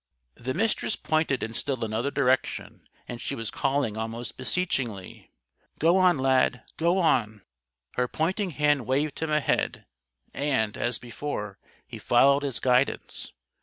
The Mistress pointed in still another direction, and she was calling almost beseechingly: "Go on, Lad! Go on!" Her pointing hand waved him ahead and, as before, he followed its guidance.